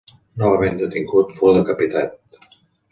Novament detingut, fou decapitat.